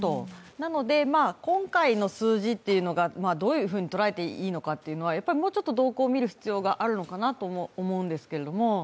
なので、今回の数字がどういうふうに捉えていいのかというのはもうちょっと動向を見る必要があるかなと思うんですけど。